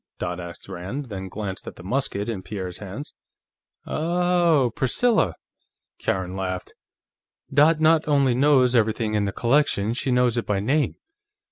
Dot asked Rand, then glanced at the musket in Pierre's hands. "Oh, Priscilla." Karen laughed. "Dot not only knows everything in the collection; she knows it by name.